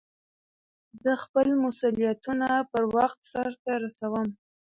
زه خپل مسئولیتونه پر وخت سرته رسوم.